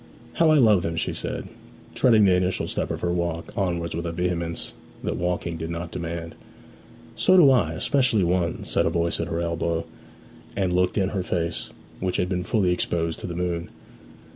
'How I love them!' she said, treading the initial step of her walk onwards with a vehemence that walking did not demand. 'So do I especially one,' said a voice at her elbow; and a man wheeled round her, and looked in her face, which had been fully exposed to the moon.